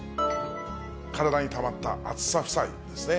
体にたまった暑さ負債ですね。